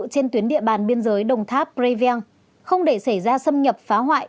trên tuyến địa bàn biên giới đồng tháp previang không để xảy ra xâm nhập phá hoại